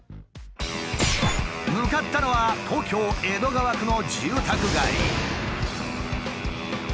向かったのは東京江戸川区の住宅街。